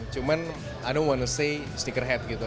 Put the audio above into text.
cuman i don't wanna say sneakerhead gitu